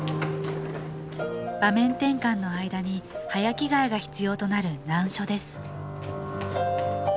場面転換の間に早着替えが必要となる難所です